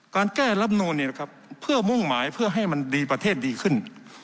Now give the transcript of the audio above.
การแก้รับนูนเพื่อมุ่งหมายเพื่อให้มันดีประเทศดีขึ้น